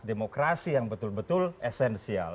demokrasi yang betul betul esensial